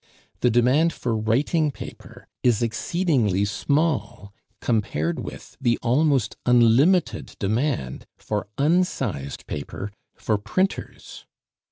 The demand for writing paper is exceedingly small compared with the almost unlimited demand for unsized paper for printers.